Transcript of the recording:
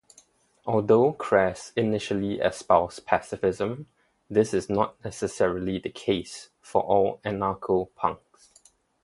Although Crass initially espoused pacifism, this is not necessarily the case for all anarcho-punks.